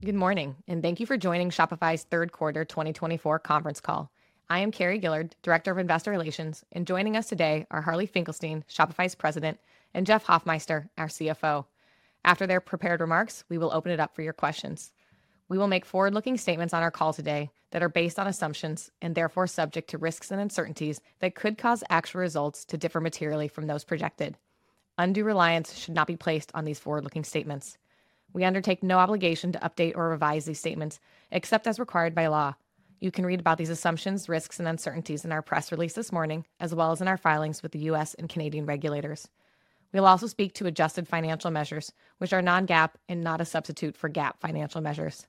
Good morning, and thank you for joining Shopify's Third Quarter 2024 Conference Call. I am Carrie Gillard, Director of Investor Relations, and joining us today are Harley Finkelstein, Shopify's President, and Jeff Hoffmeister, our CFO. After their prepared remarks, we will open it up for your questions. We will make forward-looking statements on our call today that are based on assumptions and therefore subject to risks and uncertainties that could cause actual results to differ materially from those projected. Undue reliance should not be placed on these forward-looking statements. We undertake no obligation to update or revise these statements except as required by law. You can read about these assumptions, risks, and uncertainties in our press release this morning, as well as in our filings with the U.S. and Canadian regulators. We will also speak to adjusted financial measures, which are non-GAAP and not a substitute for GAAP financial measures.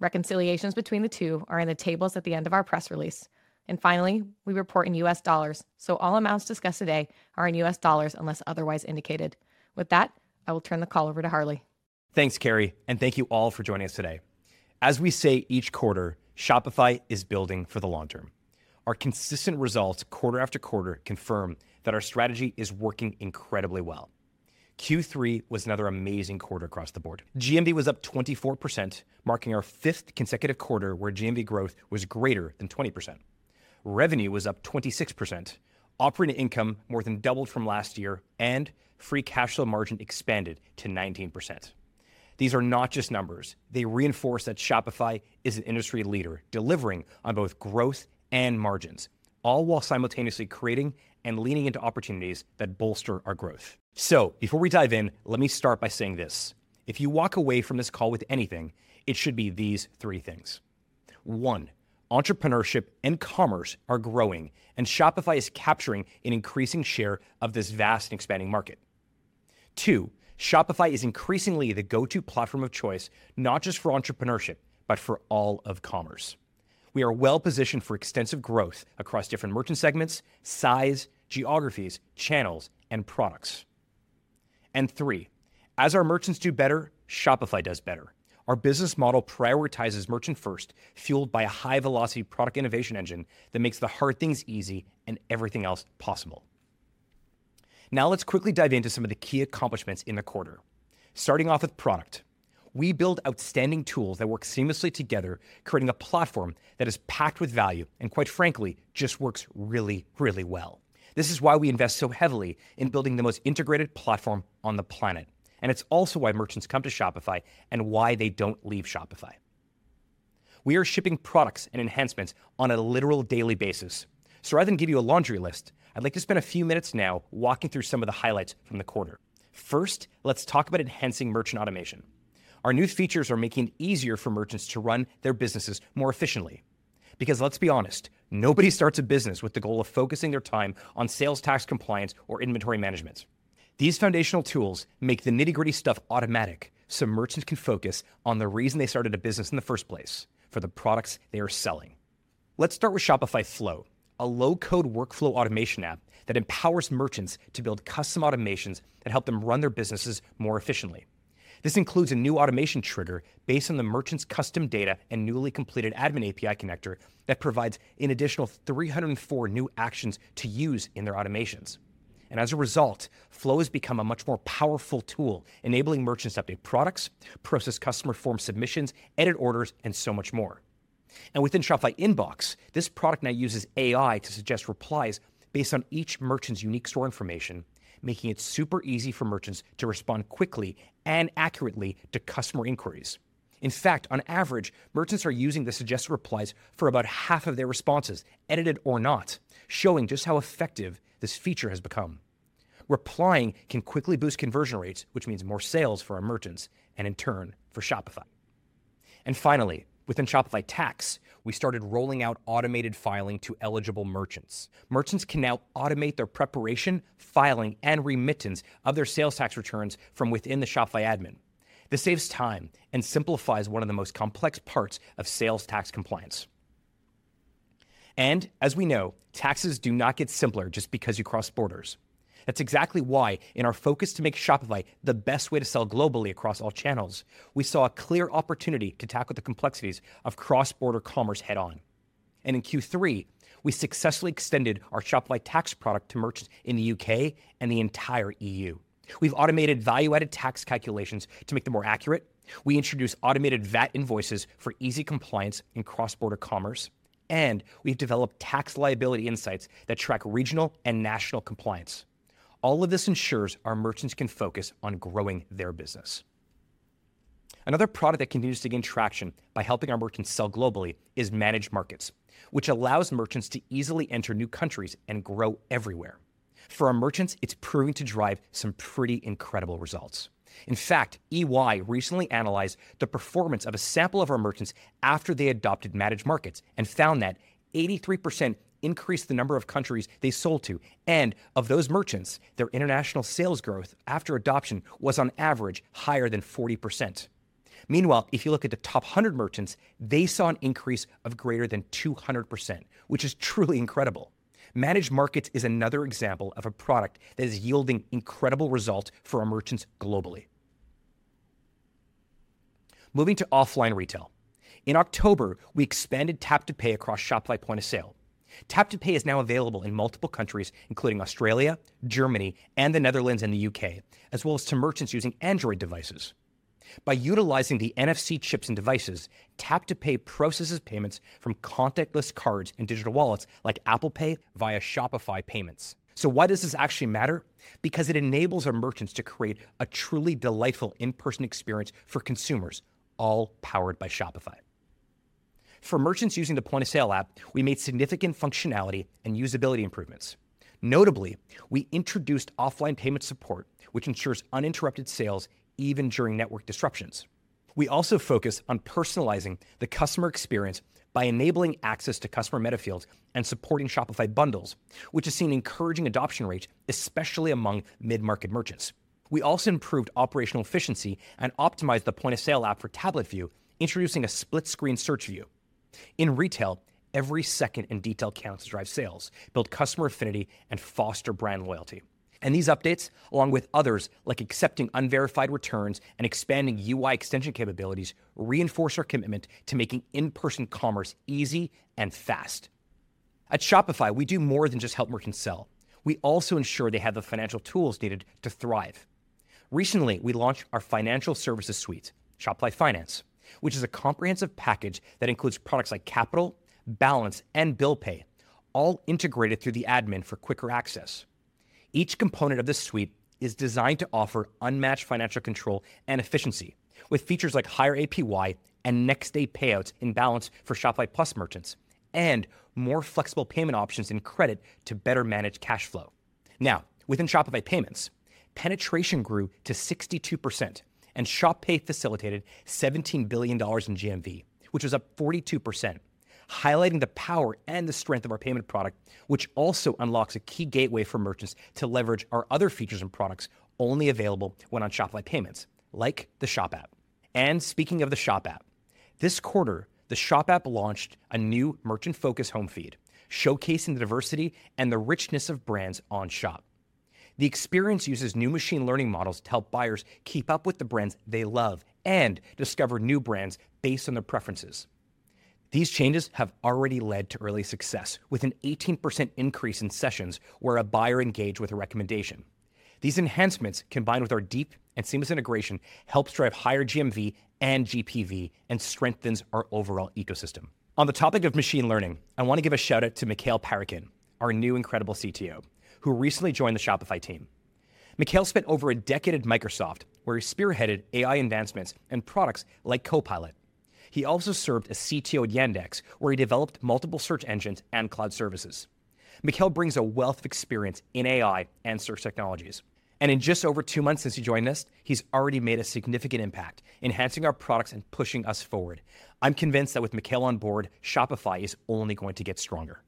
Reconciliations between the two are in the tables at the end of our press release, and finally, we report in U.S. dollars, so all amounts discussed today are in U.S. dollars unless otherwise indicated. With that, I will turn the call over to Harley. Thanks, Carrie, and thank you all for joining us today. As we say each quarter, Shopify is building for the long term. Our consistent results quarter after quarter confirm that our strategy is working incredibly well. Q3 was another amazing quarter across the board. GMV was up 24%, marking our fifth consecutive quarter where GMV growth was greater than 20%. Revenue was up 26%, operating income more than doubled from last year, and free cash flow margin expanded to 19%. These are not just numbers. They reinforce that Shopify is an industry leader delivering on both growth and margins, all while simultaneously creating and leaning into opportunities that bolster our growth. So, before we dive in, let me start by saying this: if you walk away from this call with anything, it should be these three things. One, entrepreneurship and commerce are growing, and Shopify is capturing an increasing share of this vast and expanding market. Two, Shopify is increasingly the go-to platform of choice, not just for entrepreneurship, but for all of commerce. We are well positioned for extensive growth across different merchant segments, size, geographies, channels, and products, and three, as our merchants do better, Shopify does better. Our business model prioritizes merchant-first, fueled by a high-velocity product innovation engine that makes the hard things easy and everything else possible. Now let's quickly dive into some of the key accomplishments in the quarter. Starting off with product, we build outstanding tools that work seamlessly together, creating a platform that is packed with value and, quite frankly, just works really, really well. This is why we invest so heavily in building the most integrated platform on the planet, and it's also why merchants come to Shopify and why they don't leave Shopify. We are shipping products and enhancements on a literal daily basis. So, rather than give you a laundry list, I'd like to spend a few minutes now walking through some of the highlights from the quarter. First, let's talk about enhancing merchant automation. Our new features are making it easier for merchants to run their businesses more efficiently. Because let's be honest, nobody starts a business with the goal of focusing their time on sales tax compliance or inventory management. These foundational tools make the nitty-gritty stuff automatic, so merchants can focus on the reason they started a business in the first place: for the products they are selling. Let's start with Shopify Flow, a low-code workflow automation app that empowers merchants to build custom automations that help them run their businesses more efficiently. This includes a new automation trigger based on the merchant's custom data and newly completed Admin API connector that provides an additional 304 new actions to use in their automations, and as a result, Flow has become a much more powerful tool, enabling merchants to update products, process customer form submissions, edit orders, and so much more, and within Shopify Inbox, this product now uses AI to suggest replies based on each merchant's unique store information, making it super easy for merchants to respond quickly and accurately to customer inquiries. In fact, on average, merchants are using the suggested replies for about half of their responses, edited or not, showing just how effective this feature has become. Replying can quickly boost conversion rates, which means more sales for our merchants and, in turn, for Shopify. Finally, within Shopify Tax, we started rolling out automated filing to eligible merchants. Merchants can now automate their preparation, filing, and remittance of their sales tax returns from within the Shopify admin. This saves time and simplifies one of the most complex parts of sales tax compliance. As we know, taxes do not get simpler just because you cross borders. That's exactly why, in our focus to make Shopify the best way to sell globally across all channels, we saw a clear opportunity to tackle the complexities of cross-border commerce head-on. In Q3, we successfully extended our Shopify Tax product to merchants in the U.K. and the entire E.U. We've automated value-added tax calculations to make them more accurate. We introduced automated VAT invoices for easy compliance in cross-border commerce, and we've developed tax liability insights that track regional and national compliance. All of this ensures our merchants can focus on growing their business. Another product that continues to gain traction by helping our merchants sell globally is Managed Markets, which allows merchants to easily enter new countries and grow everywhere. For our merchants, it's proving to drive some pretty incredible results. In fact, EY recently analyzed the performance of a sample of our merchants after they adopted Managed Markets and found that 83% increased the number of countries they sold to, and of those merchants, their international sales growth after adoption was, on average, higher than 40%. Meanwhile, if you look at the top 100 merchants, they saw an increase of greater than 200%, which is truly incredible. Managed Markets is another example of a product that is yielding incredible results for our merchants globally. Moving to offline retail. In October, we expanded Tap to Pay across Shopify Point of Sale. Tap to Pay is now available in multiple countries, including Australia, Germany, the Netherlands, and the U.K., as well as to merchants using Android devices. By utilizing the NFC chips and devices, Tap to Pay processes payments from contactless cards and digital wallets like Apple Pay via Shopify Payments. So why does this actually matter? Because it enables our merchants to create a truly delightful in-person experience for consumers, all powered by Shopify. For merchants using the Point of Sale app, we made significant functionality and usability improvements. Notably, we introduced offline payment support, which ensures uninterrupted sales even during network disruptions. We also focused on personalizing the customer experience by enabling access to customer metafields and supporting Shopify Bundles, which has seen encouraging adoption rates, especially among mid-market merchants. We also improved operational efficiency and optimized the Point of Sale app for tablet view, introducing a split-screen search view. In retail, every second in detail counts to drive sales, build customer affinity, and foster brand loyalty. And these updates, along with others like accepting unverified returns and expanding UI extension capabilities, reinforce our commitment to making in-person commerce easy and fast. At Shopify, we do more than just help merchants sell. We also ensure they have the financial tools needed to thrive. Recently, we launched our financial services suite, Shopify Finance, which is a comprehensive package that includes products like Capital, Balance, and Bill Pay, all integrated through the admin for quicker access. Each component of this suite is designed to offer unmatched financial control and efficiency, with features like higher APY and next-day payouts in Balance for Shopify Plus merchants, and more flexible payment options and credit to better manage cash flow. Now, within Shopify Payments, penetration grew to 62%, and Shop Pay facilitated $17 billion in GMV, which was up 42%, highlighting the power and the strength of our payment product, which also unlocks a key gateway for merchants to leverage our other features and products only available when on Shopify Payments, like the Shop App. And speaking of the Shop App, this quarter, the Shop App launched a new merchant-focused home feed, showcasing the diversity and the richness of brands on Shop. The experience uses new machine learning models to help buyers keep up with the brands they love and discover new brands based on their preferences. These changes have already led to early success, with an 18% increase in sessions where a buyer engaged with a recommendation. These enhancements, combined with our deep and seamless integration, help drive higher GMV and GPV and strengthen our overall ecosystem. On the topic of machine learning, I want to give a shout-out to Mikhail Parakhin, our new incredible CTO, who recently joined the Shopify team. Mikhail spent over a decade at Microsoft, where he spearheaded AI advancements and products like Copilot. He also served as CTO at Yandex, where he developed multiple search engines and cloud services. Mikhail brings a wealth of experience in AI and search technologies, and in just over two months since he joined us, he's already made a significant impact, enhancing our products and pushing us forward. I'm convinced that with Mikhail on board, Shopify is only going to get stronger.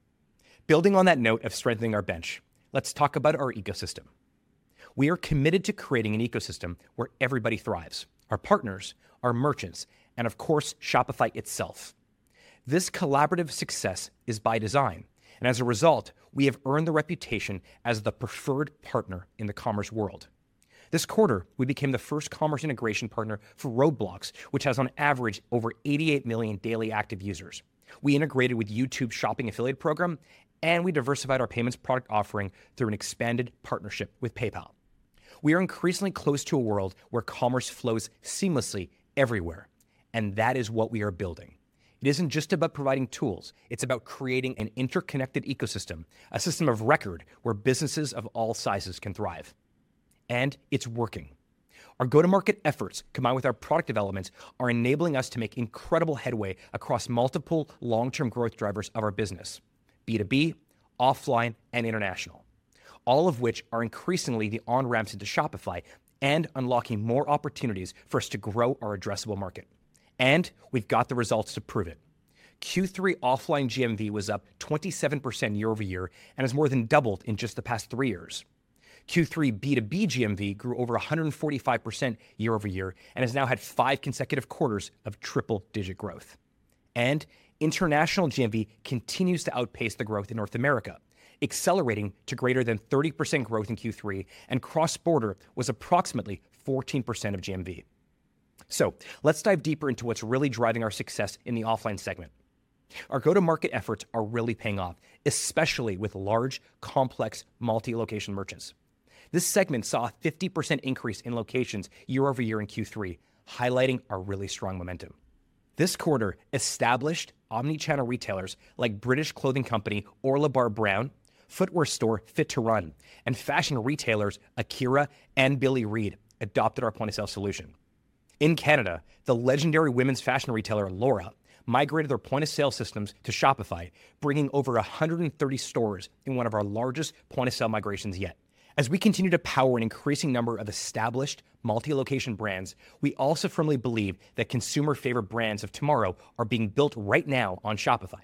Building on that note of strengthening our bench, let's talk about our ecosystem. We are committed to creating an ecosystem where everybody thrives: our partners, our merchants, and of course, Shopify itself. This collaborative success is by design, and as a result, we have earned the reputation as the preferred partner in the commerce world. This quarter, we became the first commerce integration partner for Roblox, which has on average over 88 million daily active users. We integrated with YouTube's Shopping Affiliate Program, and we diversified our payments product offering through an expanded partnership with PayPal. We are increasingly close to a world where commerce flows seamlessly everywhere, and that is what we are building. It isn't just about providing tools. It's about creating an interconnected ecosystem, a system of record where businesses of all sizes can thrive, and it's working. Our go-to-market efforts, combined with our product developments, are enabling us to make incredible headway across multiple long-term growth drivers of our business: B2B, offline, and international, all of which are increasingly the on-ramps into Shopify and unlocking more opportunities for us to grow our addressable market, and we've got the results to prove it. Q3 offline GMV was up 27% year-over-year and has more than doubled in just the past three years. Q3 B2B GMV grew over 145% year-over-year and has now had five consecutive quarters of triple-digit growth, and international GMV continues to outpace the growth in North America, accelerating to greater than 30% growth in Q3, and cross-border was approximately 14% of GMV. Let's dive deeper into what's really driving our success in the offline segment. Our go-to-market efforts are really paying off, especially with large, complex, multi-location merchants. This segment saw a 50% increase in locations year-over-year in Q3, highlighting our really strong momentum. This quarter, established omnichannel retailers like British clothing company Orlebar Brown, footwear store Fit2Run, and fashion retailers AKIRA and Billy Reid adopted our point of sale solution. In Canada, the legendary women's fashion retailer Laura migrated their point of sale systems to Shopify, bringing over 130 stores in one of our largest point of sale migrations yet. As we continue to power an increasing number of established multi-location brands, we also firmly believe that consumer-favorite brands of tomorrow are being built right now on Shopify.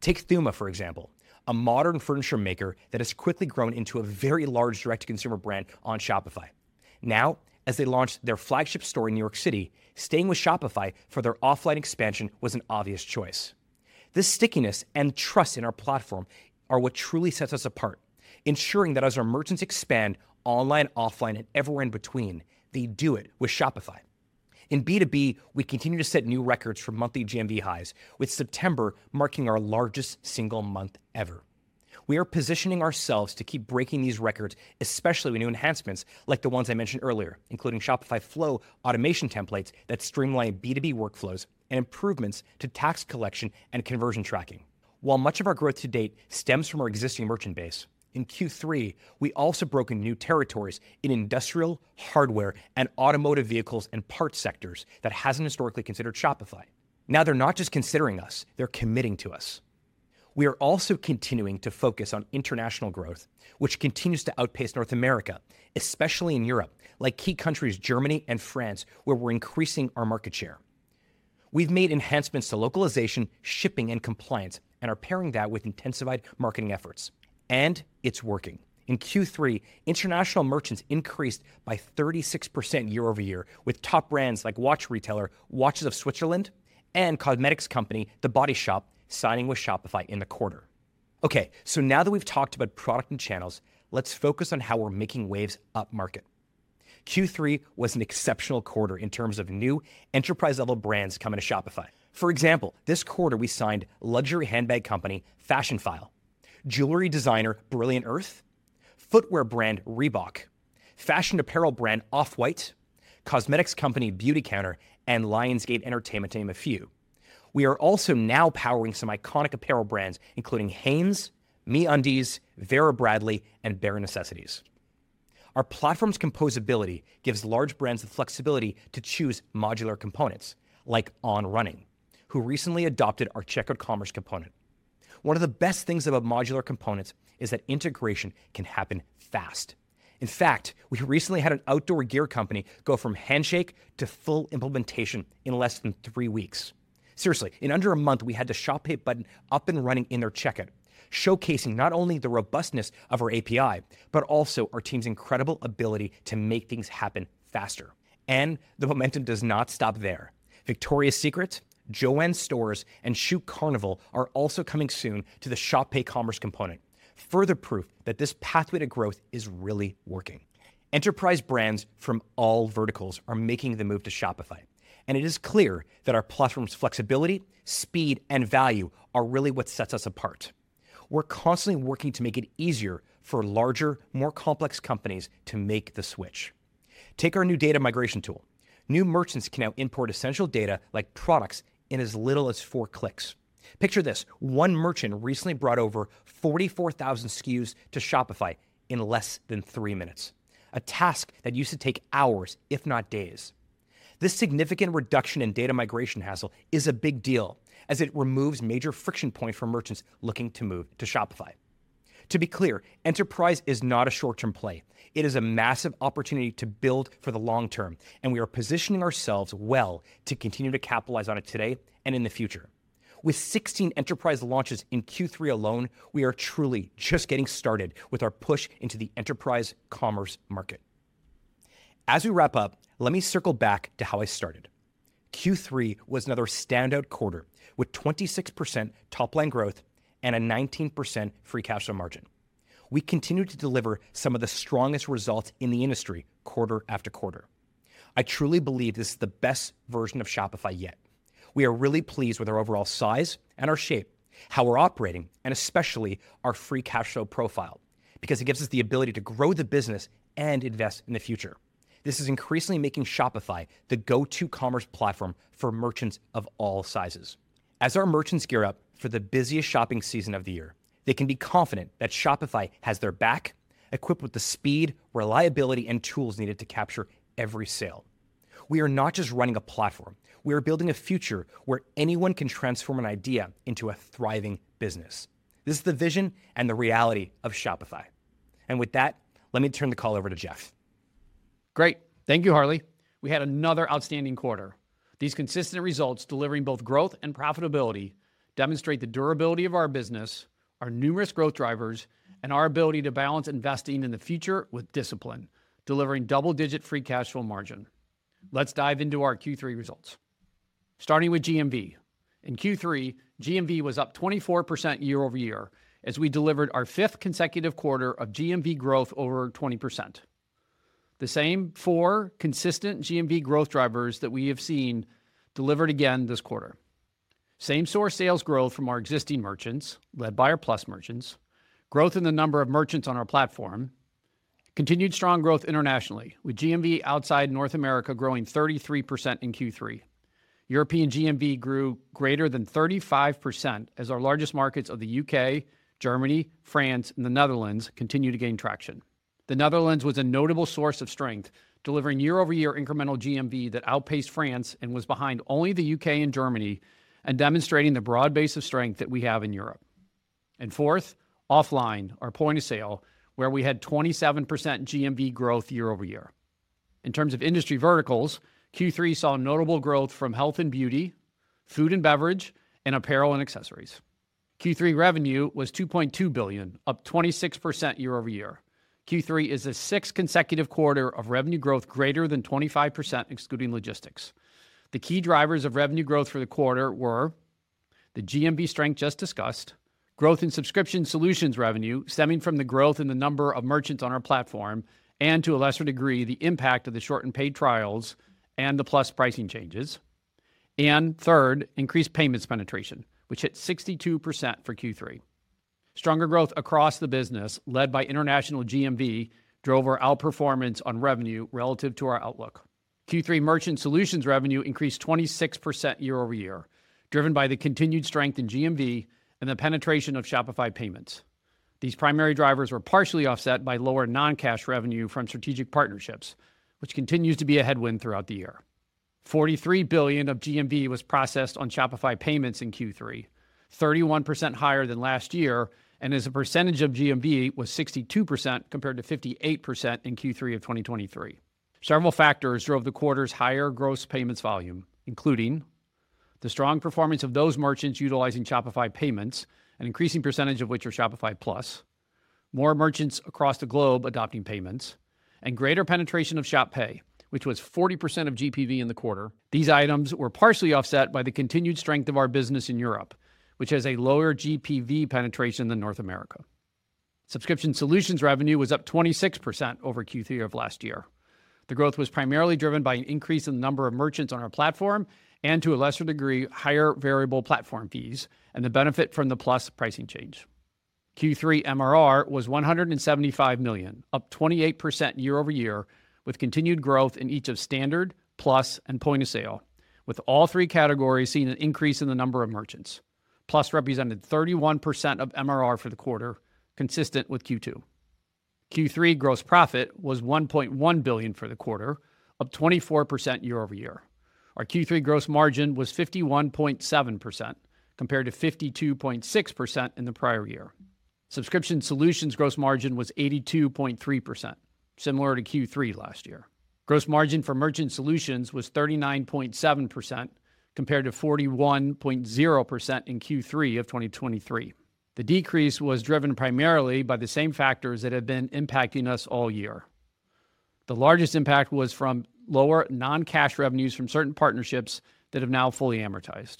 Take Thuma, for example, a modern furniture maker that has quickly grown into a very large direct-to-consumer brand on Shopify. Now, as they launched their flagship store in New York City, staying with Shopify for their offline expansion was an obvious choice. This stickiness and trust in our platform are what truly sets us apart, ensuring that as our merchants expand online, offline, and everywhere in between, they do it with Shopify. In B2B, we continue to set new records for monthly GMV highs, with September marking our largest single month ever. We are positioning ourselves to keep breaking these records, especially with new enhancements like the ones I mentioned earlier, including Shopify Flow automation templates that streamline B2B workflows and improvements to tax collection and conversion tracking. While much of our growth to date stems from our existing merchant base, in Q3, we also broke into new territories in industrial, hardware, and automotive vehicles and parts sectors that haven't historically considered Shopify. Now they're not just considering us. They're committing to us. We are also continuing to focus on international growth, which continues to outpace North America, especially in Europe, like key countries Germany and France, where we're increasing our market share. We've made enhancements to localization, shipping, and compliance, and are pairing that with intensified marketing efforts. And it's working. In Q3, international merchants increased by 36% year-over-year, with top brands like watch retailer Watches of Switzerland and cosmetics company The Body Shop signing with Shopify in the quarter. Okay, so now that we've talked about product and channels, let's focus on how we're making waves upmarket. Q3 was an exceptional quarter in terms of new enterprise-level brands coming to Shopify. For example, this quarter we signed luxury handbag company Fashionphile, jewelry designer Brilliant Earth, footwear brand Reebok, fashion apparel brand Off-White, cosmetics company Beautycounter, and Lionsgate, to name a few. We are also now powering some iconic apparel brands, including Hanes, MeUndies, Vera Bradley, and Bare Necessities. Our platform's composability gives large brands the flexibility to choose modular components, like On Running, who recently adopted our checkout commerce component. One of the best things about modular components is that integration can happen fast. In fact, we recently had an outdoor gear company go from handshake to full implementation in less than three weeks. Seriously, in under a month, we had the Shop Pay button up and running in their checkout, showcasing not only the robustness of our API, but also our team's incredible ability to make things happen faster. And the momentum does not stop there. Victoria's Secret, JOANN Stores, and Shoe Carnival are also coming soon to the Shop Pay commerce component, further proof that this pathway to growth is really working. Enterprise brands from all verticals are making the move to Shopify, and it is clear that our platform's flexibility, speed, and value are really what sets us apart. We're constantly working to make it easier for larger, more complex companies to make the switch. Take our new data migration tool. New merchants can now import essential data like products in as little as four clicks. Picture this: one merchant recently brought over 44,000 SKUs to Shopify in less than three minutes, a task that used to take hours, if not days. This significant reduction in data migration hassle is a big deal, as it removes major friction points for merchants looking to move to Shopify. To be clear, enterprise is not a short-term play. It is a massive opportunity to build for the long term, and we are positioning ourselves well to continue to capitalize on it today and in the future. With 16 enterprise launches in Q3 alone, we are truly just getting started with our push into the enterprise commerce market. As we wrap up, let me circle back to how I started. Q3 was another standout quarter, with 26% top-line growth and a 19% free cash flow margin. We continue to deliver some of the strongest results in the industry quarter after quarter. I truly believe this is the best version of Shopify yet. We are really pleased with our overall size and our shape, how we're operating, and especially our free cash flow profile, because it gives us the ability to grow the business and invest in the future. This is increasingly making Shopify the go-to commerce platform for merchants of all sizes. As our merchants gear up for the busiest shopping season of the year, they can be confident that Shopify has their back, equipped with the speed, reliability, and tools needed to capture every sale. We are not just running a platform; we are building a future where anyone can transform an idea into a thriving business. This is the vision and the reality of Shopify. And with that, let me turn the call over to Jeff. Great. Thank you, Harley. We had another outstanding quarter. These consistent results, delivering both growth and profitability, demonstrate the durability of our business, our numerous growth drivers, and our ability to balance investing in the future with discipline, delivering double-digit free cash flow margin. Let's dive into our Q3 results. Starting with GMV. In Q3, GMV was up 24% year-over-year as we delivered our fifth consecutive quarter of GMV growth over 20%. The same four consistent GMV growth drivers that we have seen delivered again this quarter: same-store sales growth from our existing merchants, led by our Plus merchants; growth in the number of merchants on our platform; continued strong growth internationally, with GMV outside North America growing 33% in Q3; European GMV grew greater than 35% as our largest markets of the U.K., Germany, France, and the Netherlands continued to gain traction. The Netherlands was a notable source of strength, delivering year-over-year incremental GMV that outpaced France and was behind only the U.K. and Germany, and demonstrating the broad base of strength that we have in Europe, and fourth, offline, our point of sale, where we had 27% GMV growth year-over-year. In terms of industry verticals, Q3 saw notable growth from health and beauty, food and beverage, and apparel and accessories. Q3 revenue was $2.2 billion, up 26% year-over-year. Q3 is the sixth consecutive quarter of revenue growth greater than 25%, excluding logistics. The key drivers of revenue growth for the quarter were the GMV strength just discussed, growth in subscription solutions revenue stemming from the growth in the number of merchants on our platform, and to a lesser degree, the impact of the shortened paid trials and the Plus pricing changes, and third, increased payments penetration, which hit 62% for Q3. Stronger growth across the business, led by international GMV, drove our outperformance on revenue relative to our outlook. Q3 merchant solutions revenue increased 26% year-over-year, driven by the continued strength in GMV and the penetration of Shopify Payments. These primary drivers were partially offset by lower non-cash revenue from strategic partnerships, which continues to be a headwind throughout the year. $43 billion of GMV was processed on Shopify Payments in Q3, 31% higher than last year, and as a percentage of GMV was 62% compared to 58% in Q3 of 2023. Several factors drove the quarter's higher gross payments volume, including the strong performance of those merchants utilizing Shopify Payments, an increasing percentage of which are Shopify Plus, more merchants across the globe adopting payments, and greater penetration of Shop Pay, which was 40% of GPV in the quarter. These items were partially offset by the continued strength of our business in Europe, which has a lower GPV penetration than North America. Subscription solutions revenue was up 26% over Q3 of last year. The growth was primarily driven by an increase in the number of merchants on our platform and, to a lesser degree, higher variable platform fees and the benefit from the Plus pricing change. Q3 MRR was $175 million, up 28% year-over-year, with continued growth in each of Standard, Plus, and Point of Sale, with all three categories seeing an increase in the number of merchants. Plus represented 31% of MRR for the quarter, consistent with Q2. Q3 gross profit was $1.1 billion for the quarter, up 24% year-over-year. Our Q3 gross margin was 51.7%, compared to 52.6% in the prior year. Subscription solutions gross margin was 82.3%, similar to Q3 last year. Gross margin for merchant solutions was 39.7%, compared to 41.0% in Q3 of 2023. The decrease was driven primarily by the same factors that have been impacting us all year. The largest impact was from lower non-cash revenues from certain partnerships that have now fully amortized.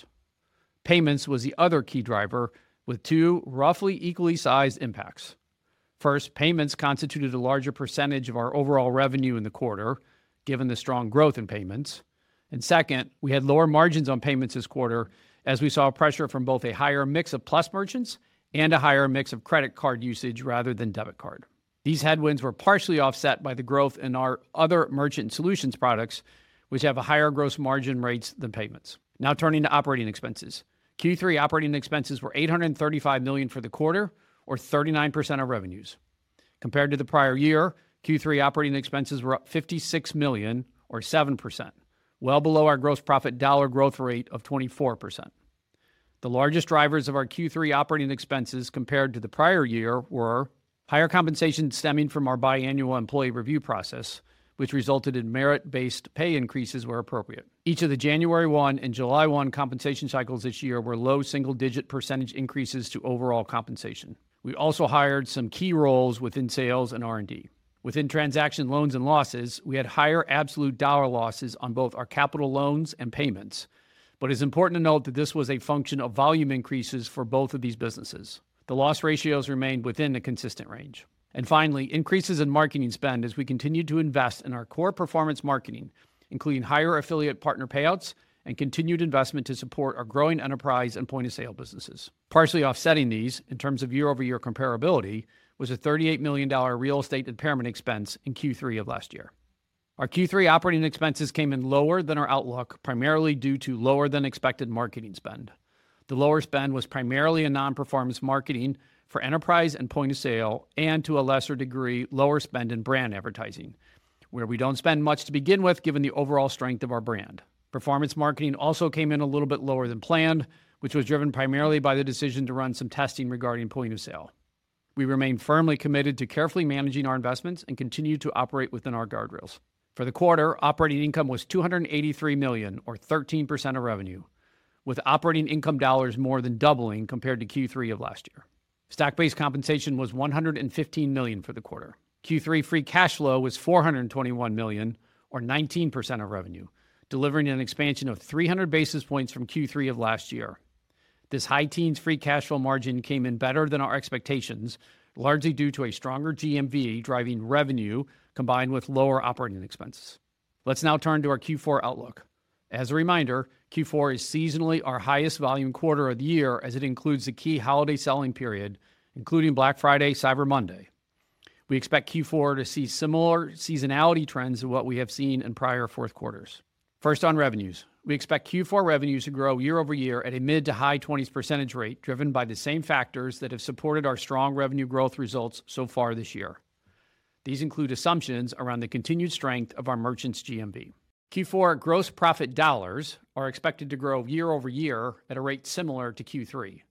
Payments was the other key driver, with two roughly equally sized impacts. First, payments constituted a larger percentage of our overall revenue in the quarter, given the strong growth in payments. And second, we had lower margins on payments this quarter, as we saw pressure from both a higher mix of Plus merchants and a higher mix of credit card usage rather than debit card. These headwinds were partially offset by the growth in our other merchant solutions products, which have a higher gross margin rates than payments. Now turning to operating expenses. Q3 operating expenses were $835 million for the quarter, or 39% of revenues. Compared to the prior year, Q3 operating expenses were up $56 million, or 7%, well below our gross profit dollar growth rate of 24%. The largest drivers of our Q3 operating expenses compared to the prior year were higher compensation stemming from our biannual employee review process, which resulted in merit-based pay increases where appropriate. Each of the January 1 and July 1 compensation cycles this year were low single-digit percentage increases to overall compensation. We also hired some key roles within sales and R&D. Within transaction loans and losses, we had higher absolute dollar losses on both our capital loans and payments, but it's important to note that this was a function of volume increases for both of these businesses. The loss ratios remained within a consistent range, and finally, increases in marketing spend as we continued to invest in our core performance marketing, including higher affiliate partner payouts and continued investment to support our growing enterprise and point of sale businesses. Partially offsetting these, in terms of year-over-year comparability, was a $38 million real estate impairment expense in Q3 of last year. Our Q3 operating expenses came in lower than our outlook, primarily due to lower-than-expected marketing spend. The lower spend was primarily a non-performance marketing for enterprise and point of sale, and to a lesser degree, lower spend in brand advertising, where we don't spend much to begin with given the overall strength of our brand. Performance marketing also came in a little bit lower than planned, which was driven primarily by the decision to run some testing regarding point of sale. We remained firmly committed to carefully managing our investments and continued to operate within our guardrails. For the quarter, operating income was $283 million, or 13% of revenue, with operating income dollars more than doubling compared to Q3 of last year. Stock-based compensation was $115 million for the quarter. Q3 free cash flow was $421 million, or 19% of revenue, delivering an expansion of 300 basis points from Q3 of last year. This high teens free cash flow margin came in better than our expectations, largely due to a stronger GMV driving revenue combined with lower operating expenses. Let's now turn to our Q4 outlook. As a reminder, Q4 is seasonally our highest volume quarter of the year as it includes the key holiday selling period, including Black Friday and Cyber Monday. We expect Q4 to see similar seasonality trends to what we have seen in prior fourth quarters. First, on revenues, we expect Q4 revenues to grow year-over-year at a mid- to high-20s% rate, driven by the same factors that have supported our strong revenue growth results so far this year. These include assumptions around the continued strength of our merchants' GMV. Q4 gross profit dollars are expected to grow year-over-year at a rate similar to Q3.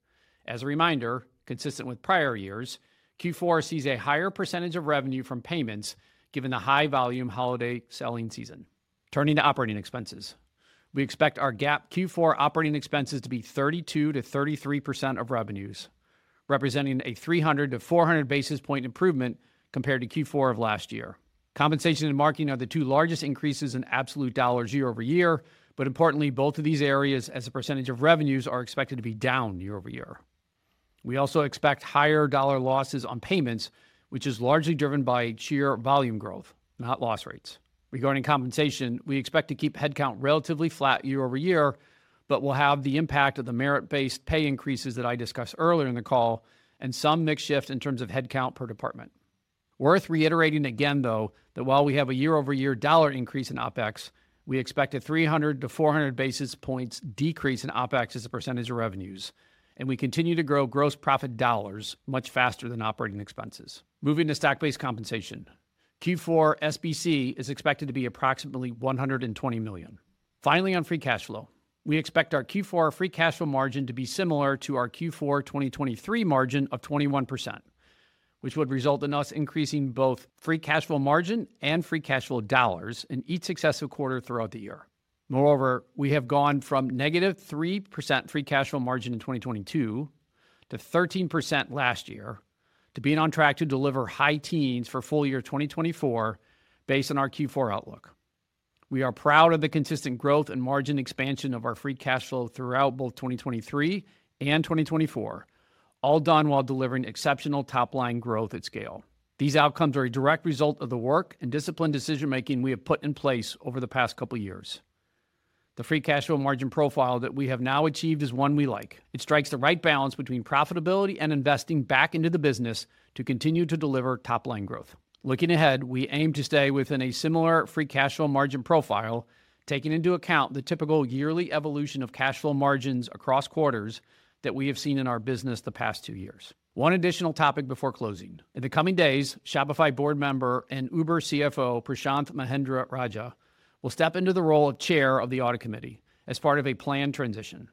As a reminder, consistent with prior years, Q4 sees a higher percentage of revenue from payments given the high volume holiday selling season. Turning to operating expenses, we expect our GAAP Q4 operating expenses to be 32%-33% of revenues, representing a 300 basis-400 basis point improvement compared to Q4 of last year. Compensation and marketing are the two largest increases in absolute dollars year-over-year, but importantly, both of these areas as a percentage of revenues are expected to be down year-over-year. We also expect higher dollar losses on payments, which is largely driven by sheer volume growth, not loss rates. Regarding compensation, we expect to keep headcount relatively flat year-over-year, but we'll have the impact of the merit-based pay increases that I discussed earlier in the call and some mixed shift in terms of headcount per department. Worth reiterating again, though, that while we have a year-over-year dollar increase in OpEx, we expect a 300 basis-400 basis points decrease in OpEx as a percentage of revenues, and we continue to grow gross profit dollars much faster than operating expenses. Moving to stock-based compensation, Q4 SBC is expected to be approximately $120 million. Finally, on free cash flow, we expect our Q4 free cash flow margin to be similar to our Q4 2023 margin of 21%, which would result in us increasing both free cash flow margin and free cash flow dollars in each successive quarter throughout the year. Moreover, we have gone from -3% free cash flow margin in 2022 to 13% last year to being on track to deliver high teens for full year 2024 based on our Q4 outlook. We are proud of the consistent growth and margin expansion of our free cash flow throughout both 2023 and 2024, all done while delivering exceptional top-line growth at scale. These outcomes are a direct result of the work and disciplined decision-making we have put in place over the past couple of years. The free cash flow margin profile that we have now achieved is one we like. It strikes the right balance between profitability and investing back into the business to continue to deliver top-line growth. Looking ahead, we aim to stay within a similar free cash flow margin profile, taking into account the typical yearly evolution of cash flow margins across quarters that we have seen in our business the past two years. One additional topic before closing. In the coming days, Shopify board member and Uber CFO Prashanth Mahendra-Rajah will step into the role of Chair of the Audit Committee as part of a planned transition.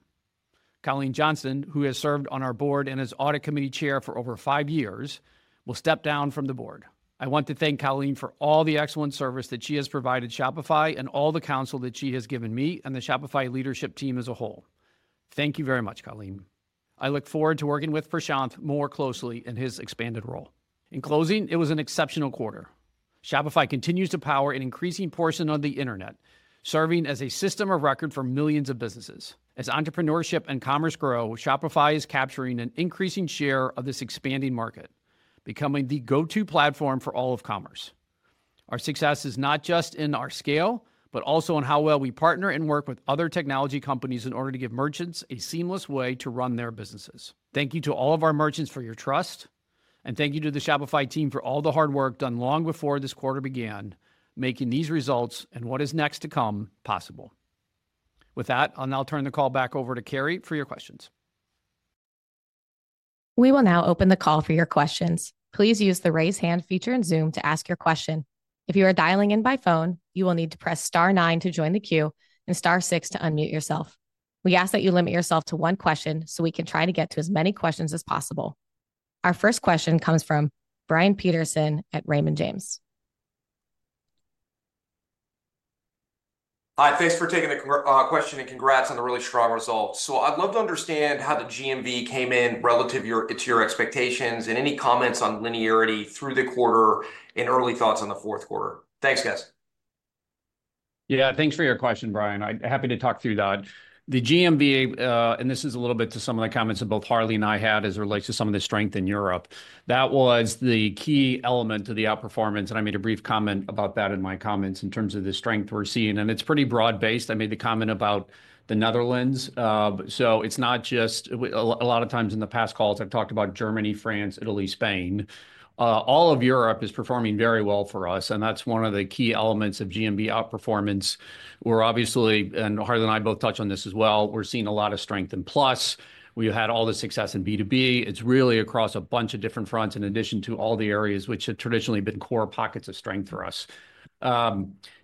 Colleen Johnston, who has served on our board and is Audit Committee Chair for over five years, will step down from the board. I want to thank Colleen for all the excellent service that she has provided Shopify and all the counsel that she has given me and the Shopify leadership team as a whole. Thank you very much, Colleen. I look forward to working with Prashanth more closely in his expanded role. In closing, it was an exceptional quarter. Shopify continues to power an increasing portion of the internet, serving as a system of record for millions of businesses. As entrepreneurship and commerce grow, Shopify is capturing an increasing share of this expanding market, becoming the go-to platform for all of commerce. Our success is not just in our scale, but also in how well we partner and work with other technology companies in order to give merchants a seamless way to run their businesses. Thank you to all of our merchants for your trust, and thank you to the Shopify team for all the hard work done long before this quarter began, making these results and what is next to come possible. With that, I'll now turn the call back over to Carrie for your questions. We will now open the call for your questions. Please use the raise hand feature in Zoom to ask your question. If you are dialing in by phone, you will need to press star nine to join the queue and star six to unmute yourself. We ask that you limit yourself to one question so we can try to get to as many questions as possible. Our first question comes from Brian Peterson at Raymond James. Hi, thanks for taking the question and congrats on the really strong results. So I'd love to understand how the GMV came in relative to your expectations and any comments on linearity through the quarter and early thoughts on the fourth quarter. Thanks, guys. Yeah, thanks for your question, Brian. I'm happy to talk through that. The GMV, and this is a little bit to some of the comments that both Harley and I had as it relates to some of the strength in Europe, that was the key element to the outperformance. I made a brief comment about that in my comments in terms of the strength we're seeing. It's pretty broad-based. I made the comment about the Netherlands. It's not just a lot of times in the past calls, I've talked about Germany, France, Italy, Spain. All of Europe is performing very well for us, and that's one of the key elements of GMV outperformance. We're obviously, and Harley and I both touch on this as well, seeing a lot of strength. Plus, we had all the success in B2B. It's really across a bunch of different fronts in addition to all the areas which have traditionally been core pockets of strength for us.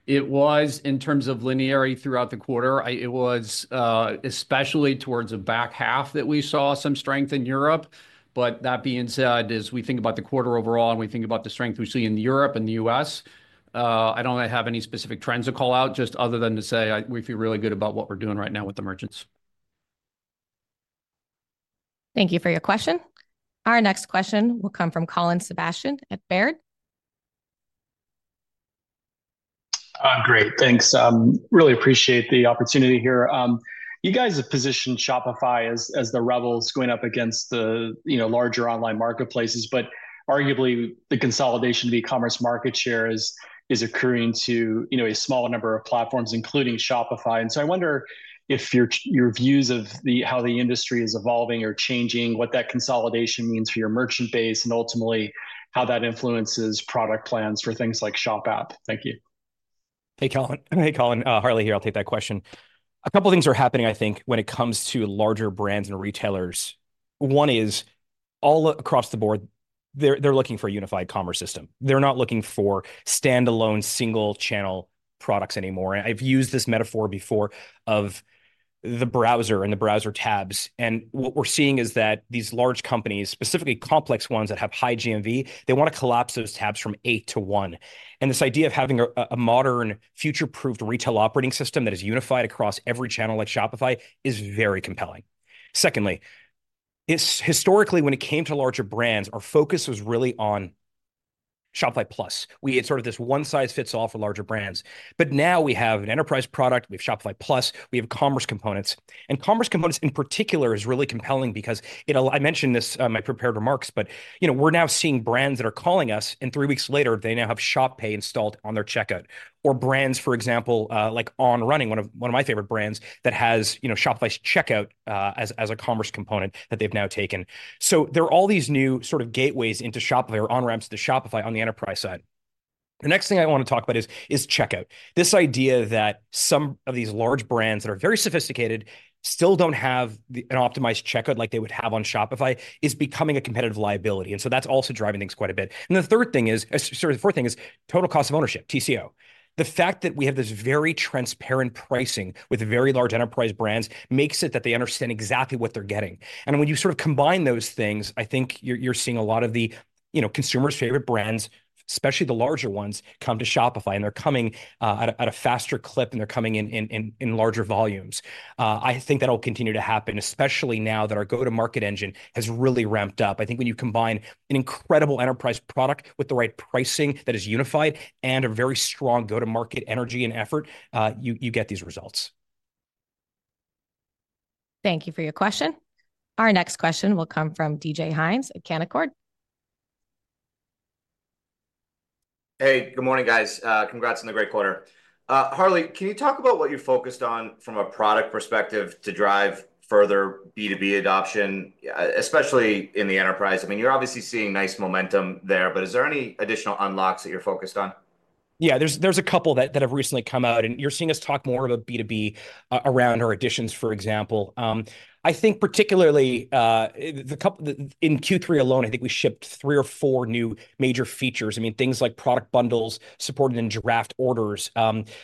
It was in terms of linearity throughout the quarter. It was especially towards the back half that we saw some strength in Europe. But that being said, as we think about the quarter overall and we think about the strength we see in Europe and the U.S., I don't have any specific trends to call out, just other than to say we feel really good about what we're doing right now with the merchants. Thank you for your question. Our next question will come from Colin Sebastian at Baird. Great, thanks. Really appreciate the opportunity here. You guys have positioned Shopify as the rebels going up against the larger online marketplaces, but arguably the consolidation of e-commerce market share is occurring to a smaller number of platforms, including Shopify. And so I wonder if your views of how the industry is evolving or changing, what that consolidation means for your merchant base and ultimately how that influences product plans for things like Shop App. Thank you. Hey, Colin. Harley here. I'll take that question. A couple of things are happening, I think, when it comes to larger brands and retailers. One is all across the board, they're looking for a unified commerce system. They're not looking for standalone single-channel products anymore. And I've used this metaphor before of the browser and the browser tabs. And what we're seeing is that these large companies, specifically complex ones that have high GMV, they want to collapse those tabs from eight to one. And this idea of having a modern future-proofed retail operating system that is unified across every channel like Shopify is very compelling. Secondly, historically, when it came to larger brands, our focus was really on Shopify Plus. We had sort of this one-size-fits-all for larger brands. But now we have an enterprise product. We have Shopify Plus. We have Commerce Components. And Commerce Components in particular is really compelling because I mentioned this in my prepared remarks, but we're now seeing brands that are calling us, and three weeks later, they now have Shop Pay installed on their checkout. Or brands, for example, like On Running, one of my favorite brands that has Shopify's checkout as a Commerce Component that they've now taken. So there are all these new sort of gateways into Shopify or on-ramps to Shopify on the enterprise side. The next thing I want to talk about is checkout. This idea that some of these large brands that are very sophisticated still don't have an optimized checkout like they would have on Shopify is becoming a competitive liability. And so that's also driving things quite a bit. And the third thing is, sorry, the fourth thing is total cost of ownership, TCO. The fact that we have this very transparent pricing with very large enterprise brands makes it that they understand exactly what they're getting. And when you sort of combine those things, I think you're seeing a lot of the consumers' favorite brands, especially the larger ones, come to Shopify, and they're coming at a faster clip, and they're coming in larger volumes. I think that'll continue to happen, especially now that our go-to-market engine has really ramped up. I think when you combine an incredible enterprise product with the right pricing that is unified and a very strong go-to-market energy and effort, you get these results. Thank you for your question. Our next question will come from DJ Hynes at Canaccord Genuity. Hey, good morning, guys. Congrats on the great quarter. Harley, can you talk about what you're focused on from a product perspective to drive further B2B adoption, especially in the enterprise? I mean, you're obviously seeing nice momentum there, but is there any additional unlocks that you're focused on? Yeah, there's a couple that have recently come out, and you're seeing us talk more about B2B around our additions, for example. I think particularly in Q3 alone, I think we shipped three or four new major features. I mean, things like product bundles supported in draft orders.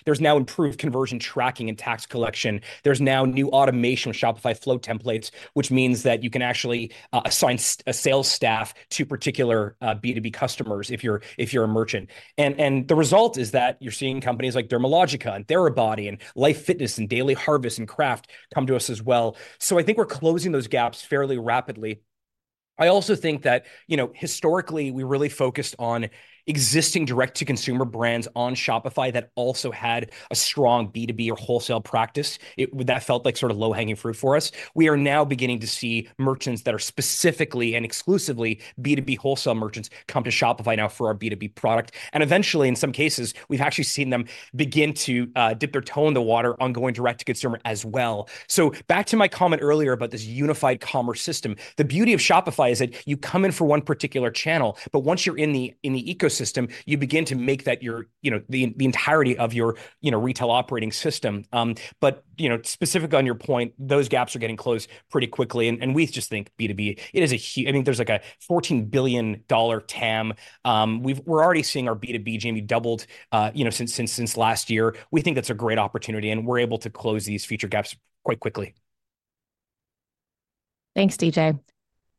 There's now improved conversion tracking and tax collection. There's now new automation with Shopify Flow templates, which means that you can actually assign a sales staff to particular B2B customers if you're a merchant, and the result is that you're seeing companies like Dermalogica and Therabody and Life Fitness and Daily Harvest and Kraft come to us as well, so I think we're closing those gaps fairly rapidly. I also think that historically, we really focused on existing direct-to-consumer brands on Shopify that also had a strong B2B or wholesale practice. That felt like sort of low-hanging fruit for us. We are now beginning to see merchants that are specifically and exclusively B2B wholesale merchants come to Shopify now for our B2B product. And eventually, in some cases, we've actually seen them begin to dip their toe in the water on going direct-to-consumer as well. So back to my comment earlier about this unified commerce system. The beauty of Shopify is that you come in for one particular channel, but once you're in the ecosystem, you begin to make that the entirety of your retail operating system. But specifically on your point, those gaps are getting closed pretty quickly. And we just think B2B, it is a huge, I think there's like a $14 billion TAM. We're already seeing our B2B GMV doubled since last year. We think that's a great opportunity, and we're able to close these future gaps quite quickly. Thanks, DJ.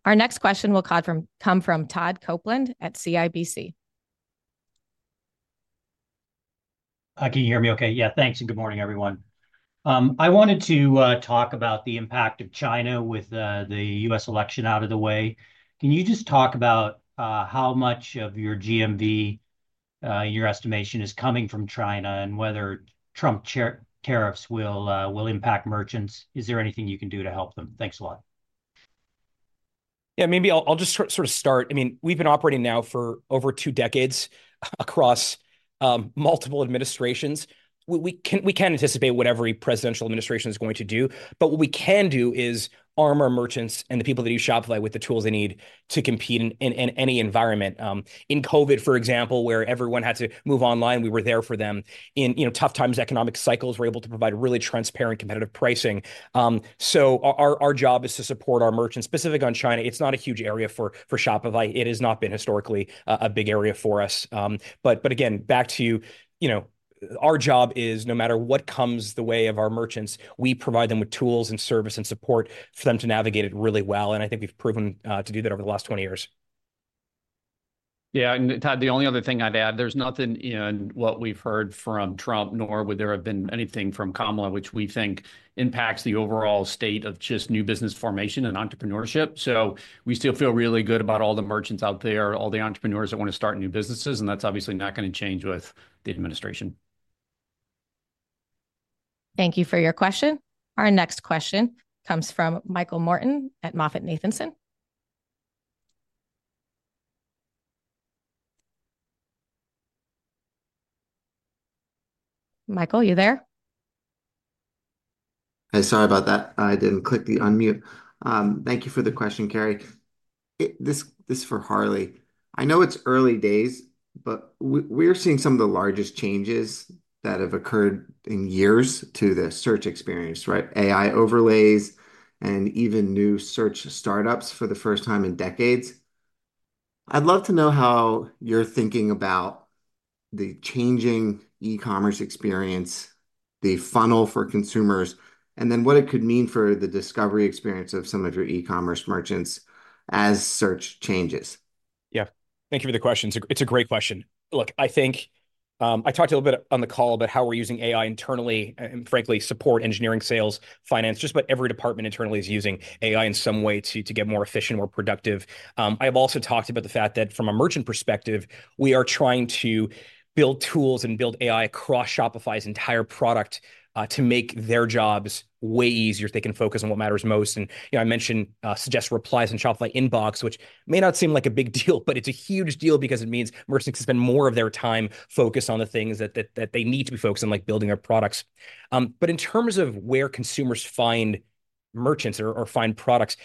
Our next question will come from Todd Coupland at CIBC. Can you hear me okay? Yeah, thanks. And good morning, everyone. I wanted to talk about the impact of China with the U.S. election out of the way. Can you just talk about how much of your GMV, your estimation, is coming from China and whether Trump tariffs will impact merchants? Is there anything you can do to help them? Thanks a lot. Yeah, maybe I'll just sort of start. I mean, we've been operating now for over two decades across multiple administrations. We can anticipate what every presidential administration is going to do, but what we can do is arm our merchants and the people that use Shopify with the tools they need to compete in any environment. In COVID, for example, where everyone had to move online, we were there for them. In tough times, economic cycles, we're able to provide really transparent competitive pricing. So our job is to support our merchants, specifically on China. It's not a huge area for Shopify. It has not been historically a big area for us. But again, back to you, our job is no matter what comes the way of our merchants, we provide them with tools and service and support for them to navigate it really well. And I think we've proven to do that over the last 20 years. Yeah, and Todd, the only other thing I'd add, there's nothing in what we've heard from Trump, nor would there have been anything from Kamala, which we think impacts the overall state of just new business formation and entrepreneurship. So we still feel really good about all the merchants out there, all the entrepreneurs that want to start new businesses, and that's obviously not going to change with the administration. Thank you for your question. Our next question comes from Michael Morton at MoffettNathanson. Michael, you there? Hey, sorry about that. I didn't click the unmute. Thank you for the question, Carrie. This is for Harley. I know it's early days, but we're seeing some of the largest changes that have occurred in years to the search experience, right? AI overlays and even new search startups for the first time in decades. I'd love to know how you're thinking about the changing e-commerce experience, the funnel for consumers, and then what it could mean for the discovery experience of some of your e-commerce merchants as search changes. Yeah, thank you for the question. It's a great question. Look, I think I talked a little bit on the call about how we're using AI internally and, frankly, support engineering, sales, finance, just about every department internally is using AI in some way to get more efficient, more productive. I have also talked about the fact that from a merchant perspective, we are trying to build tools and build AI across Shopify's entire product to make their jobs way easier so they can focus on what matters most. And I mentioned suggested replies in Shopify Inbox, which may not seem like a big deal, but it's a huge deal because it means merchants spend more of their time focused on the things that they need to be focused on, like building our products. But in terms of where consumers find merchants or find products,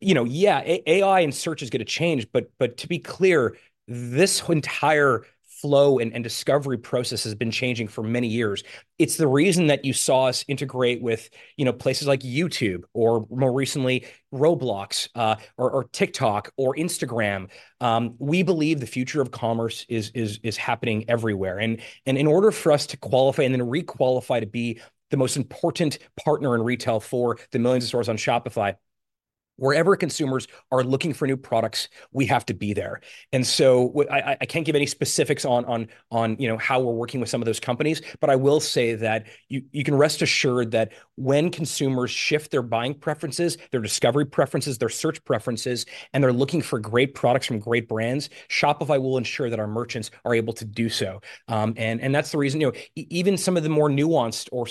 yeah, AI and search is going to change. But to be clear, this entire flow and discovery process has been changing for many years. It's the reason that you saw us integrate with places like YouTube or, more recently, Roblox or TikTok or Instagram. We believe the future of commerce is happening everywhere. And in order for us to qualify and then requalify to be the most important partner in retail for the millions of stores on Shopify, wherever consumers are looking for new products, we have to be there. And so I can't give any specifics on how we're working with some of those companies, but I will say that you can rest assured that when consumers shift their buying preferences, their discovery preferences, their search preferences, and they're looking for great products from great brands, Shopify will ensure that our merchants are able to do so. And that's the reason even some of the more nuanced or,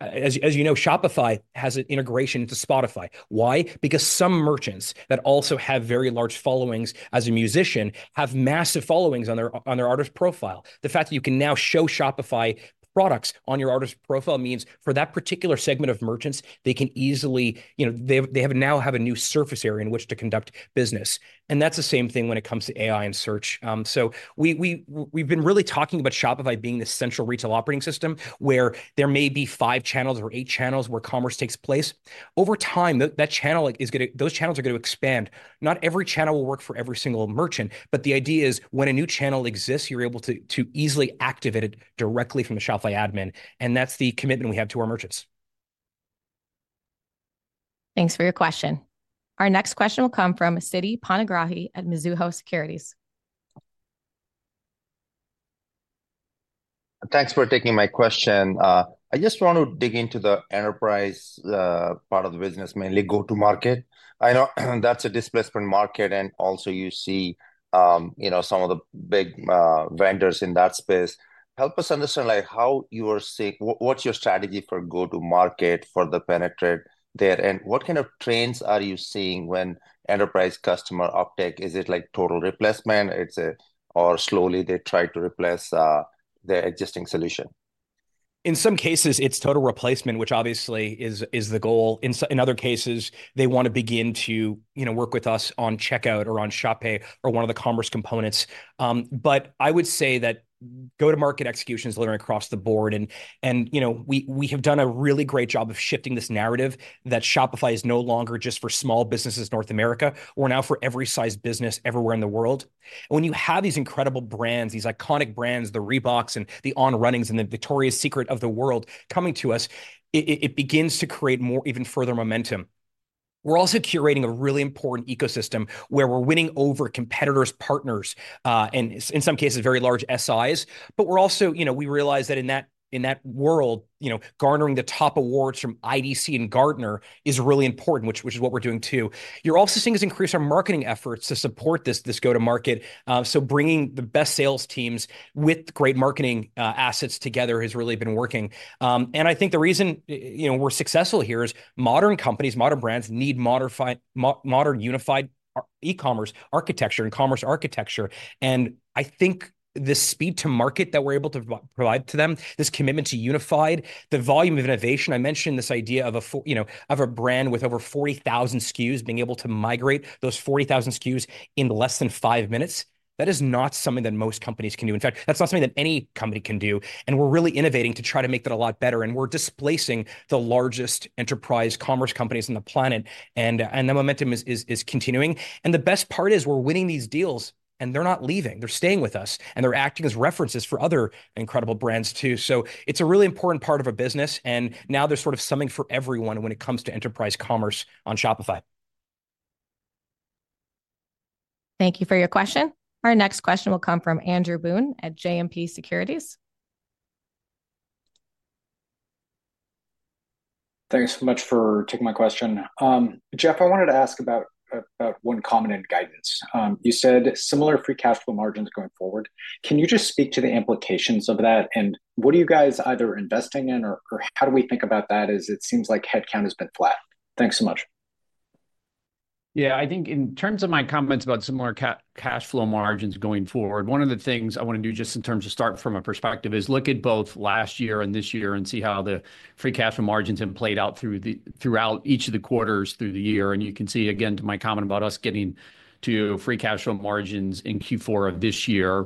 as you know, Shopify has an integration into Spotify. Why? Because some merchants that also have very large followings as a musician have massive followings on their artist profile. The fact that you can now show Shopify products on your artist profile means for that particular segment of merchants, they can easily—they now have a new surface area in which to conduct business, and that's the same thing when it comes to AI and search, so we've been really talking about Shopify being the central retail operating system where there may be five channels or eight channels where commerce takes place. Over time, those channels are going to expand. Not every channel will work for every single merchant, but the idea is when a new channel exists, you're able to easily activate it directly from the Shopify admin, and that's the commitment we have to our merchants. Thanks for your question. Our next question will come from Siti Panigrahi at Mizuho Securities. Thanks for taking my question. I just want to dig into the enterprise part of the business, mainly go-to-market. I know that's a displacement market, and also you see some of the big vendors in that space. Help us understand how you are seeing, what's your strategy for go-to-market to penetrate there? And what kind of trends are you seeing with enterprise customer uptake? Is it total replacement, or slowly they try to replace their existing solution? In some cases, it's total replacement, which obviously is the goal. In other cases, they want to begin to work with us on checkout or on Shop Pay or one of the commerce components. But I would say that go-to-market execution is literally across the board. And we have done a really great job of shifting this narrative that Shopify is no longer just for small businesses in North America. We're now for every size business everywhere in the world. When you have these incredible brands, these iconic brands, the Reebok and the On Runnings and the Victoria's Secret of the world coming to us, it begins to create even further momentum. We're also curating a really important ecosystem where we're winning over competitors, partners, and in some cases, very large SIs. We realize that in that world, garnering the top awards from IDC and Gartner is really important, which is what we're doing too. You're also seeing us increase our marketing efforts to support this go-to-market. Bringing the best sales teams with great marketing assets together has really been working. I think the reason we're successful here is modern companies, modern brands need modern unified e-commerce architecture and commerce architecture. And I think the speed to market that we're able to provide to them, this commitment to unified, the volume of innovation. I mentioned this idea of a brand with over 40,000 SKUs being able to migrate those 40,000 SKUs in less than five minutes. That is not something that most companies can do. In fact, that's not something that any company can do. And we're really innovating to try to make that a lot better. And we're displacing the largest enterprise commerce companies on the planet. And the momentum is continuing. And the best part is we're winning these deals, and they're not leaving. They're staying with us, and they're acting as references for other incredible brands too. So it's a really important part of a business. And now there's sort of something for everyone when it comes to enterprise commerce on Shopify. Thank you for your question. Our next question will come from Andrew Boone at JMP Securities. Thanks so much for taking my question. Jeff, I wanted to ask about one comment in guidance. You said similar free cash flow margins going forward. Can you just speak to the implications of that? And what are you guys either investing in, or how do we think about that as it seems like headcount has been flat? Thanks so much. Yeah, I think in terms of my comments about similar cash flow margins going forward, one of the things I want to do just in terms of start from a perspective is look at both last year and this year and see how the free cash flow margins have played out throughout each of the quarters through the year. You can see, again, to my comment about us getting to free cash flow margins in Q4 of this year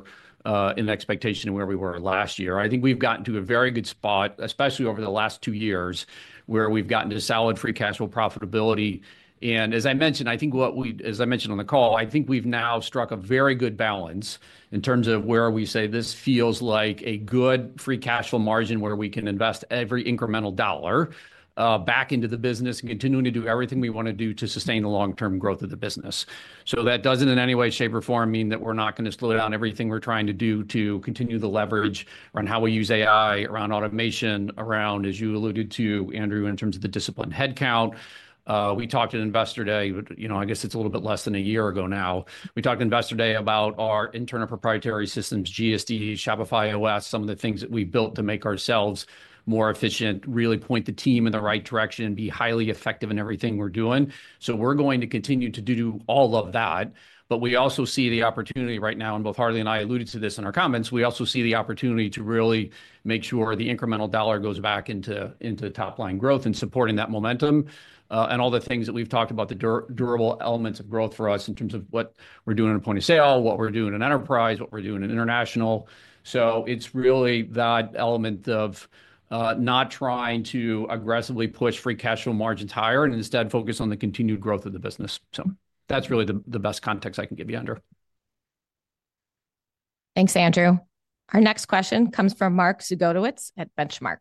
in the expectation of where we were last year. I think we've gotten to a very good spot, especially over the last two years, where we've gotten to solid free cash flow profitability. And as I mentioned, I think what we, as I mentioned on the call, I think we've now struck a very good balance in terms of where we say this feels like a good free cash flow margin where we can invest every incremental dollar back into the business and continue to do everything we want to do to sustain the long-term growth of the business. So that doesn't in any way, shape, or form mean that we're not going to slow down everything we're trying to do to continue the leverage around how we use AI, around automation, around, as you alluded to, Andrew, in terms of the discipline headcount. We talked to Investor Day, I guess it's a little bit less than a year ago now. We talked to Investor Day about our internal proprietary systems, GSD, Shopify OS, some of the things that we built to make ourselves more efficient, really point the team in the right direction, and be highly effective in everything we're doing. We're going to continue to do all of that. We also see the opportunity right now, and both Harley and I alluded to this in our comments. We also see the opportunity to really make sure the incremental dollar goes back into top-line growth and supporting that momentum and all the things that we've talked about, the durable elements of growth for us in terms of what we're doing at point of sale, what we're doing in enterprise, what we're doing in international. So it's really that element of not trying to aggressively push free cash flow margins higher and instead focus on the continued growth of the business. So that's really the best context I can give you, Andrew. Thanks, Andrew. Our next question comes from Mark Zgutowicz at Benchmark.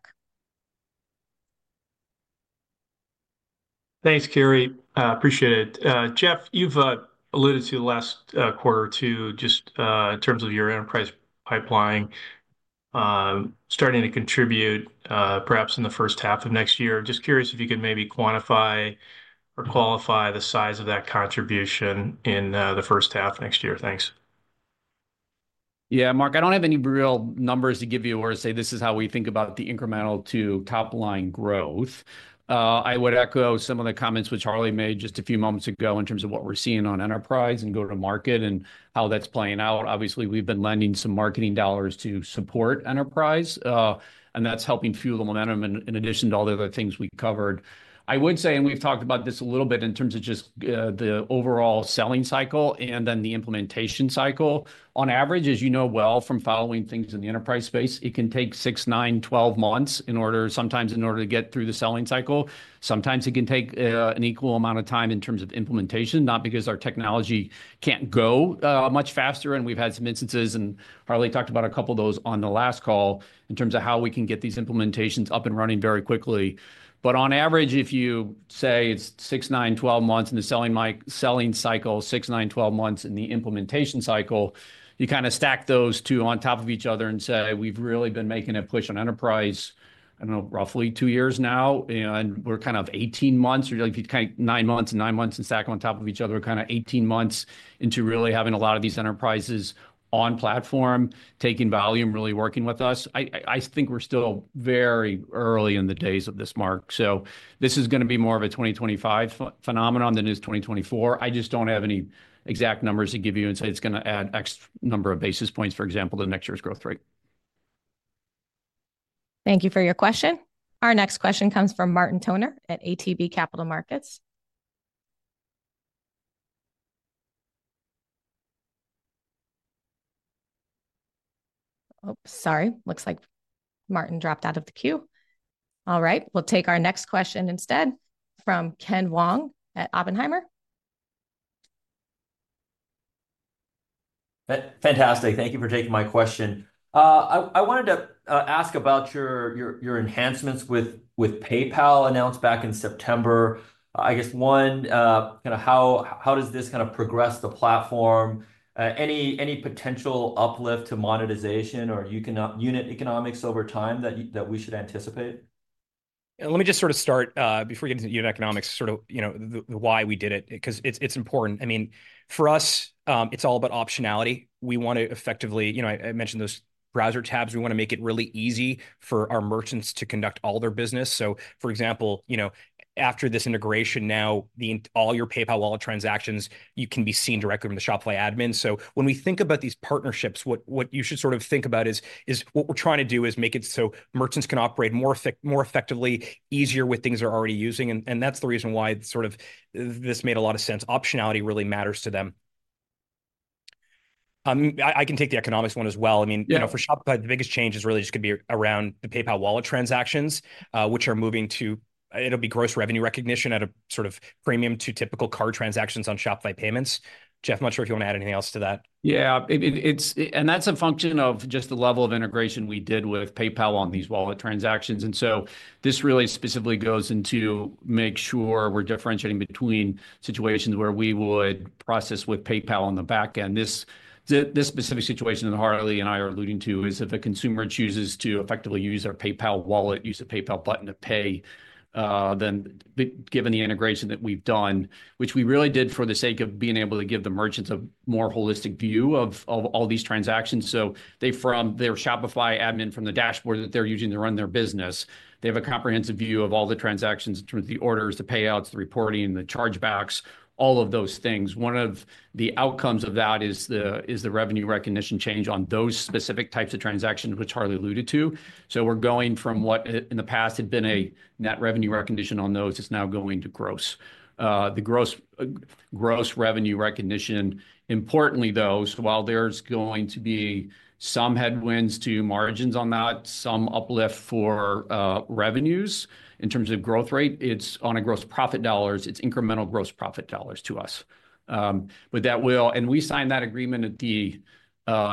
Thanks, Carrie. Appreciate it. Jeff, you've alluded to the last quarter too just in terms of your enterprise pipeline starting to contribute perhaps in the first half of next year. Just curious if you could maybe quantify or qualify the size of that contribution in the first half of next year. Thanks. Yeah, Mark, I don't have any real numbers to give you or say this is how we think about the incremental to top-line growth. I would echo some of the comments which Harley made just a few moments ago in terms of what we're seeing on enterprise and go-to-market and how that's playing out. Obviously, we've been lending some marketing dollars to support enterprise, and that's helping fuel the momentum in addition to all the other things we covered. I would say, and we've talked about this a little bit in terms of just the overall selling cycle and then the implementation cycle. On average, as you know well from following things in the enterprise space, it can take six, nine, 12 months, sometimes in order to get through the selling cycle. Sometimes it can take an equal amount of time in terms of implementation, not because our technology can't go much faster. We've had some instances, and Harley talked about a couple of those on the last call in terms of how we can get these implementations up and running very quickly. But on average, if you say it's 6, 9, 12 months in the selling cycle, 6, 9, 12 months in the implementation cycle, you kind of stack those two on top of each other and say, "We've really been making a push on enterprise, I don't know, roughly two years now, and we're kind of 18 months or kind of nine months and nine months and stack on top of each other, kind of 18 months into really having a lot of these enterprises on platform, taking volume, really working with us." I think we're still very early in the days of this, Mark. So this is going to be more of a 2025 phenomenon than is 2024. I just don't have any exact numbers to give you and say it's going to add X number of basis points, for example, to next year's growth rate. Thank you for your question. Our next question comes from Martin Toner at ATB Capital Markets. Oh, sorry. Looks like Martin dropped out of the queue. All right. We'll take our next question instead from Ken Wong at Oppenheimer. Fantastic. Thank you for taking my question. I wanted to ask about your enhancements with PayPal announced back in September. I guess one, kind of how does this kind of progress the platform? Any potential uplift to monetization or unit economics over time that we should anticipate? Let me just sort of start before you get into unit economics, sort of the why we did it because it's important. I mean, for us, it's all about optionality. We want to effectively, I mentioned those browser tabs. We want to make it really easy for our merchants to conduct all their business. So, for example, after this integration, now all your PayPal wallet transactions can be seen directly from the Shopify admin. So when we think about these partnerships, what you should sort of think about is what we're trying to do is make it so merchants can operate more effectively, easier with things they're already using. And that's the reason why sort of this made a lot of sense. Optionality really matters to them. I can take the economics one as well. I mean, for Shopify, the biggest change is really just going to be around the PayPal wallet transactions, which are moving to, it'll be gross revenue recognition at a sort of premium to typical card transactions on Shopify Payments. Jeff, I'm not sure if you want to add anything else to that. Yeah, and that's a function of just the level of integration we did with PayPal on these wallet transactions. And so this really specifically goes into making sure we're differentiating between situations where we would process with PayPal on the back end. This specific situation that Harley and I are alluding to is if a consumer chooses to effectively use their PayPal wallet, use the PayPal button to pay, then given the integration that we've done, which we really did for the sake of being able to give the merchants a more holistic view of all these transactions. So their Shopify admin from the dashboard that they're using to run their business. They have a comprehensive view of all the transactions in terms of the orders, the payouts, the reporting, the chargebacks, all of those things. One of the outcomes of that is the revenue recognition change on those specific types of transactions, which Harley alluded to. So we're going from what in the past had been a net revenue recognition on those that's now going to gross. The gross revenue recognition, importantly, though, while there's going to be some headwinds to margins on that, some uplift for revenues in terms of growth rate, it's on a gross profit dollars. It's incremental gross profit dollars to us. But that will, and we signed that agreement at the,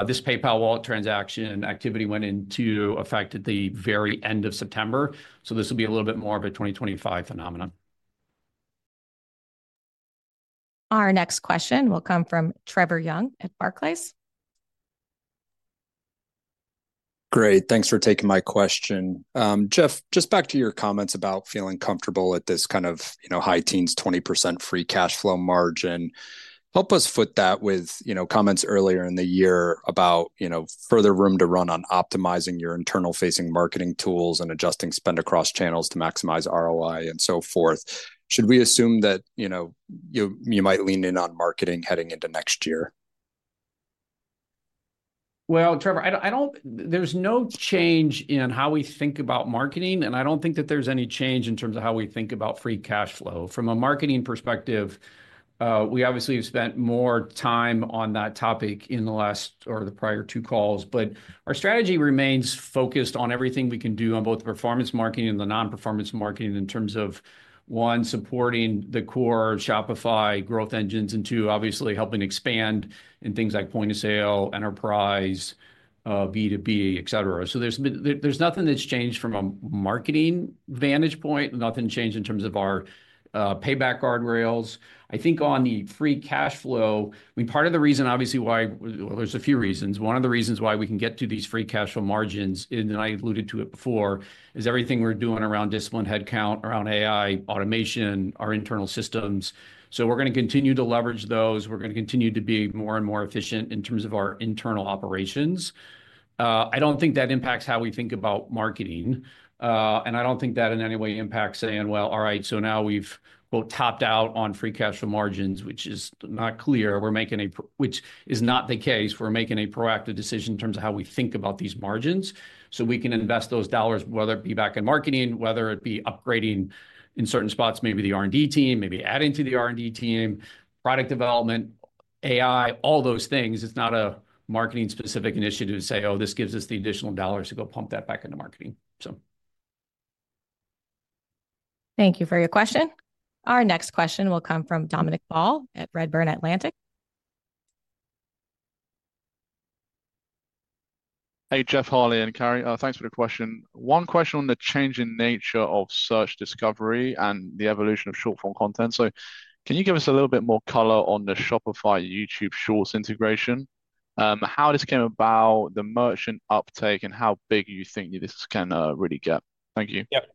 this PayPal wallet transaction activity went into effect at the very end of September. So this will be a little bit more of a 2025 phenomenon. Our next question will come from Trevor Young at Barclays. Great. Thanks for taking my question. Jeff, just back to your comments about feeling comfortable at this kind of high teens, 20% free cash flow margin. Help us foot that with comments earlier in the year about further room to run on optimizing your internal-facing marketing tools and adjusting spend across channels to maximize ROI and so forth. Should we assume that you might lean in on marketing heading into next year? Well, Trevor, there's no change in how we think about marketing, and I don't think that there's any change in terms of how we think about free cash flow. From a marketing perspective, we obviously have spent more time on that topic in the last or the prior two calls, but our strategy remains focused on everything we can do on both performance marketing and the non-performance marketing in terms of, one, supporting the core Shopify growth engines and two, obviously helping expand in things like point of sale, enterprise, B2B, etc. So there's nothing that's changed from a marketing vantage point, nothing changed in terms of our payback guardrails. I think on the free cash flow, I mean, part of the reason obviously why there's a few reasons. One of the reasons why we can get to these free cash flow margins, and I alluded to it before, is everything we're doing around discipline headcount, around AI, automation, our internal systems. So we're going to continue to leverage those. We're going to continue to be more and more efficient in terms of our internal operations. I don't think that impacts how we think about marketing. And I don't think that in any way impacts saying, "Well, all right, so now we've both topped out on free cash flow margins," which is not clear. We're making a, which is not the case. We're making a proactive decision in terms of how we think about these margins so we can invest those dollars, whether it be back in marketing, whether it be upgrading in certain spots, maybe the R&D team, maybe adding to the R&D team, product development, AI, all those things. It's not a marketing-specific initiative to say, "Oh, this gives us the additional dollars to go pump that back into marketing." So. Thank you for your question. Our next question will come from Dominic Ball at Redburn Atlantic. Hey, Jeff, Harley, and Carrie. Thanks for the question. One question on the change in nature of search discovery and the evolution of short-form content. So can you give us a little bit more color on the Shopify YouTube Shorts integration? How this came about, the merchant uptake, and how big you think this can really get? Thank you. Yep.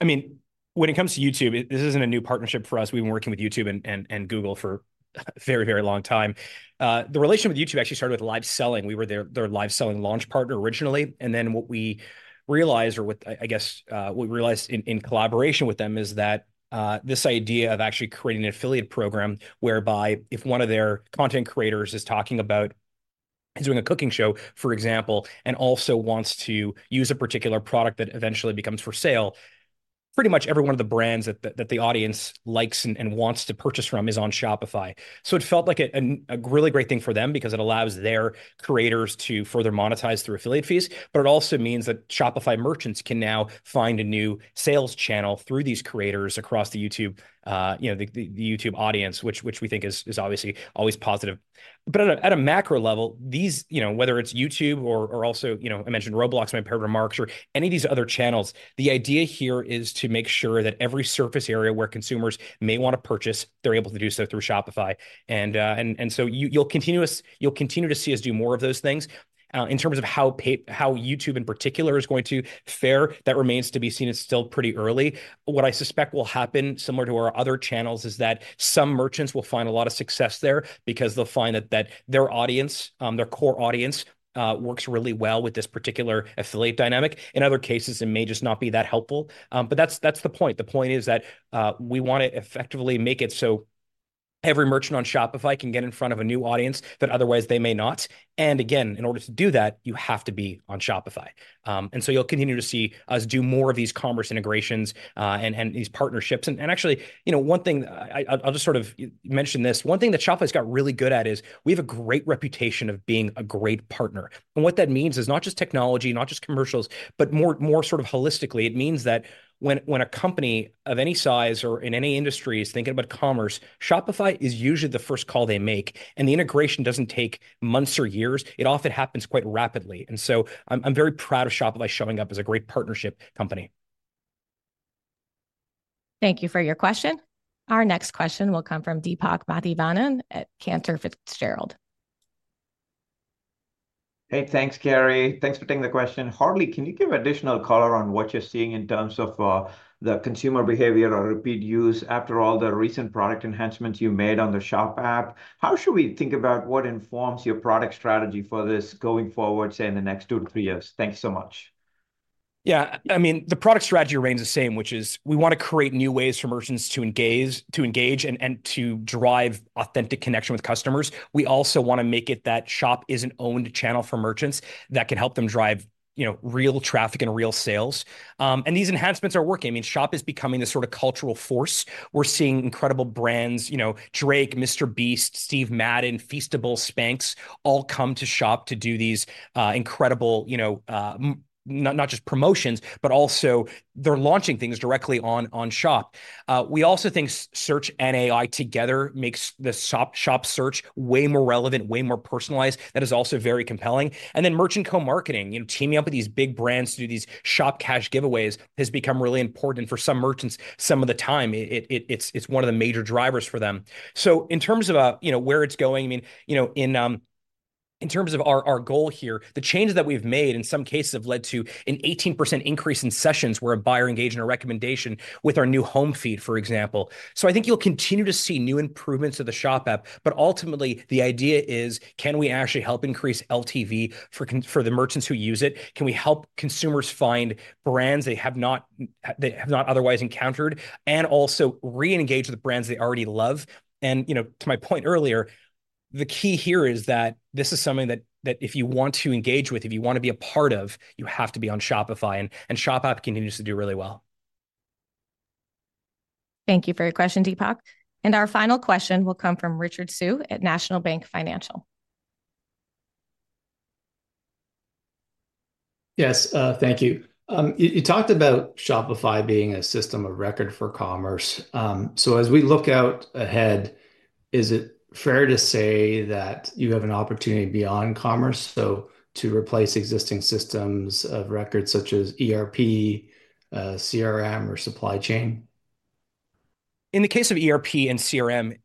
I mean, when it comes to YouTube, this isn't a new partnership for us. We've been working with YouTube and Google for a very, very long time. The relationship with YouTube actually started with live selling. We were their live selling launch partner originally. And then what we realized, or what I guess what we realized in collaboration with them, is that this idea of actually creating an affiliate program whereby if one of their content creators is talking about doing a cooking show, for example, and also wants to use a particular product that eventually becomes for sale, pretty much every one of the brands that the audience likes and wants to purchase from is on Shopify. So it felt like a really great thing for them because it allows their creators to further monetize through affiliate fees. But it also means that Shopify merchants can now find a new sales channel through these creators across the YouTube audience, which we think is obviously always positive. But at a macro level, whether it's YouTube or also, I mentioned Roblox in my remarks or any of these other channels, the idea here is to make sure that every surface area where consumers may want to purchase, they're able to do so through Shopify. And so you'll continue to see us do more of those things. In terms of how YouTube in particular is going to fare, that remains to be seen. It's still pretty early. What I suspect will happen similar to our other channels is that some merchants will find a lot of success there because they'll find that their audience, their core audience, works really well with this particular affiliate dynamic. In other cases, it may just not be that helpful. But that's the point. The point is that we want to effectively make it so every merchant on Shopify can get in front of a new audience that otherwise they may not. And again, in order to do that, you have to be on Shopify. And so you'll continue to see us do more of these commerce integrations and these partnerships. And actually, one thing, I'll just sort of mention this. One thing that Shopify has got really good at is we have a great reputation of being a great partner. And what that means is not just technology, not just commercials, but more sort of holistically. It means that when a company of any size or in any industry is thinking about commerce, Shopify is usually the first call they make. And the integration doesn't take months or years. It often happens quite rapidly. I'm very proud of Shopify showing up as a great partnership company. Thank you for your question. Our next question will come from Deepak Mathivanan at Cantor Fitzgerald. Hey, thanks, Carrie. Thanks for taking the question. Harley, can you give additional color on what you're seeing in terms of the consumer behavior or repeat use after all the recent product enhancements you made on the Shop app? How should we think about what informs your product strategy for this going forward, say, in the next two to three years? Thanks so much. Yeah, I mean, the product strategy remains the same, which is we want to create new ways for merchants to engage and to drive authentic connection with customers. We also want to make it that Shop is an owned channel for merchants that can help them drive real traffic and real sales. These enhancements are working. I mean, Shop is becoming the sort of cultural force. We're seeing incredible brands, Drake, MrBeast, Steve Madden, Feastables, Spanx all come to Shop to do these incredible, not just promotions, but also they're launching things directly on Shop. We also think search and AI together makes the Shop search way more relevant, way more personalized. That is also very compelling. And then merchant co-marketing, teaming up with these big brands to do these Shop Cash giveaways has become really important. And for some merchants, some of the time, it's one of the major drivers for them. So in terms of where it's going, I mean, in terms of our goal here, the changes that we've made in some cases have led to an 18% increase in sessions where a buyer engaged in a recommendation with our new home feed, for example. So I think you'll continue to see new improvements to the Shop App. But ultimately, the idea is, can we actually help increase LTV for the merchants who use it? Can we help consumers find brands they have not otherwise encountered and also re-engage with brands they already love? And to my point earlier, the key here is that this is something that if you want to engage with, if you want to be a part of, you have to be on Shopify. And Shop App continues to do really well. Thank you for your question, Deepak. And our final question will come from Richard Tse at National Bank Financial. Yes, thank you. You talked about Shopify being a system of record for commerce. So as we look out ahead, is it fair to say that you have an opportunity beyond commerce to replace existing systems of record such as ERP, CRM, or supply chain? In the case of ERP and CRM,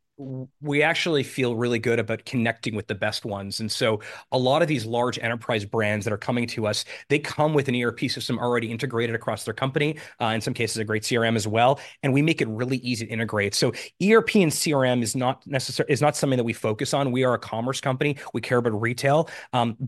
we actually feel really good about connecting with the best ones. And so a lot of these large enterprise brands that are coming to us, they come with an ERP system already integrated across their company, in some cases a great CRM as well. And we make it really easy to integrate. So ERP and CRM is not something that we focus on. We are a commerce company. We care about retail.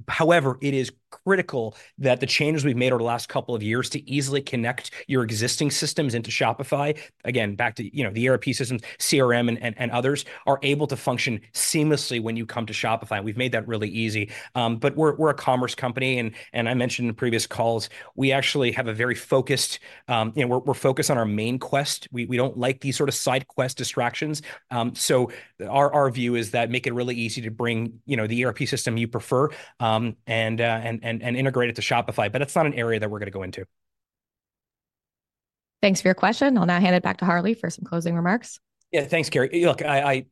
However, it is critical that the changes we've made over the last couple of years to easily connect your existing systems into Shopify. Again, back to the ERP systems, CRM, and others are able to function seamlessly when you come to Shopify. And we've made that really easy. But we're a commerce company. And I mentioned in previous calls, we actually have a very focused. We're focused on our main quest. We don't like these sort of side quest distractions. So our view is that make it really easy to bring the ERP system you prefer and integrate it to Shopify. But that's not an area that we're going to go into. Thanks for your question. I'll now hand it back to Harley for some closing remarks. Yeah, thanks, Carrie. Look,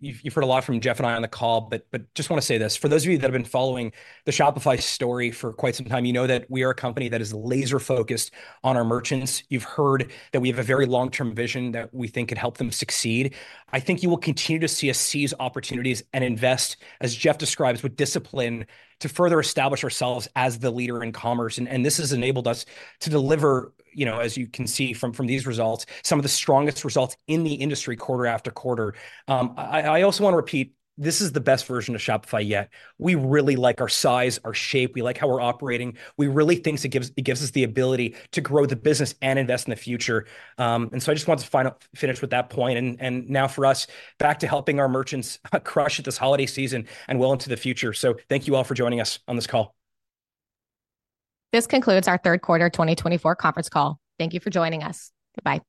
you've heard a lot from Jeff and I on the call, but just want to say this. For those of you that have been following the Shopify story for quite some time, you know that we are a company that is laser-focused on our merchants. You've heard that we have a very long-term vision that we think could help them succeed. I think you will continue to see us seize opportunities and invest, as Jeff describes, with discipline to further establish ourselves as the leader in commerce, and this has enabled us to deliver, as you can see from these results, some of the strongest results in the industry quarter after quarter. I also want to repeat. This is the best version of Shopify yet. We really like our size, our shape. We like how we're operating. We really think it gives us the ability to grow the business and invest in the future, and so I just want to finish with that point. Now for us, back to helping our merchants crush at this holiday season and well into the future. Thank you all for joining us on this call. This concludes our third quarter 2024 conference call. Thank you for joining us. Goodbye.